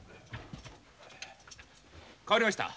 代わりました。